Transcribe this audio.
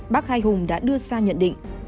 bác hai hùng đã đưa ra nhận định